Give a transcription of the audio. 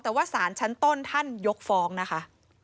แต่ว่าสารชั้นต้นท่านยกฟ้องนะคะ